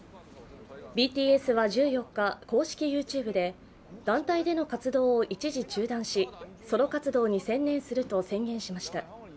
ＢＴＳは１４日、公式ＹｏｕＴｕｂｅで団体での活動を一時中断し、ソロ活動に専念すると宣言しました。